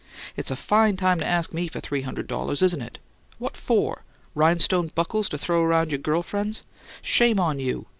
It's a FINE time to ask me for three hundred dollars, isn't it! What FOR? Rhinestone buckles to throw around on your 'girl friends?' Shame on you!